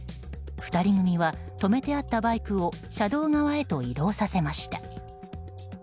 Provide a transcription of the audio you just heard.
２人組は、止めてあったバイクを車道側へと移動させました。